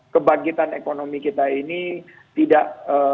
kebangkitan ekonomi kita ini tidak